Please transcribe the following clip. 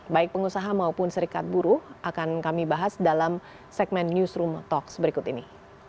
baik pengusaha maupun serikat buruh akan kami bahas dalam segmen newsroom talks berikut ini